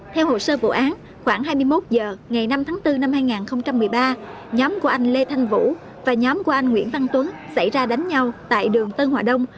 theo hồ sơ vụ án khoảng hai mươi một h ngày năm tháng bốn năm hai nghìn một mươi ba nhóm của anh lê thanh vũ và nhóm của anh nguyễn văn tuấn xảy ra đánh nhau tại đường tân hòa đông